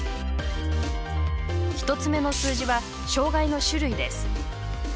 １つ目の数字は障がいの種類です。